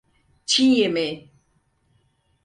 Çin yemeği.